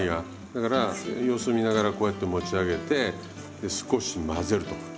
だから様子見ながらこうやって持ち上げてで少し混ぜると。